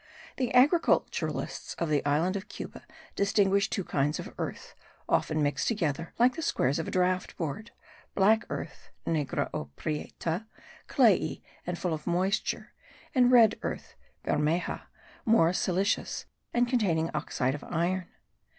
The agriculturists of the island of Cuba distinguish two kinds of earth, often mixed together like the squares of a draught board, black earth (negra o prieta), clayey and full of moisture, and red earth (bermeja), more silicious and containing oxide of iron.